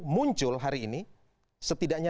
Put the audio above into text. muncul hari ini setidaknya